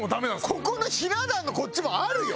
ここのひな壇のこっちもあるよ